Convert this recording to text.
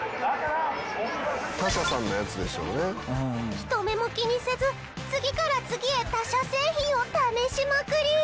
人目も気にせず次から次へ他社製品を試しまくり！